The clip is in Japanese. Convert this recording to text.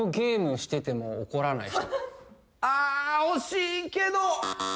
あ惜しいけど。